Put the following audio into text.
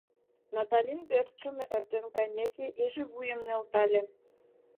Наталин пӧртшым эртен кайымеке иже вуйым нӧлтале.